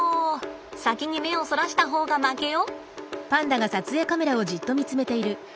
先に目をそらした方が負けよ。